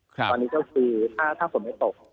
ตอนนี้ก็คือถ้าฝนไม่ตก